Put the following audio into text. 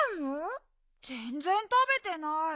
ぜんぜんたべてない。